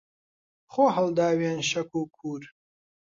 خۆ هەڵداوێن شەک و کوور